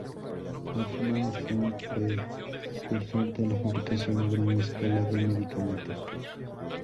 Hoffmann fue un precursor de la fabricación a gran escala de medicamentos.